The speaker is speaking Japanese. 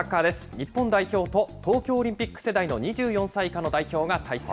日本代表と東京オリンピック世代の２４歳以下の代表が対戦。